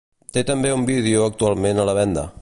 Té també un vídeo actualment a la venda.